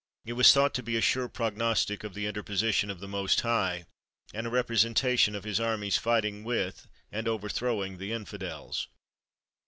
It was thought to be a sure prognostic of the interposition of the Most High; and a representation of his armies fighting with and overthrowing the infidels.